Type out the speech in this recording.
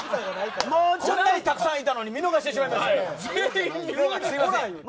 こんなにたくさんいたのに見逃しました。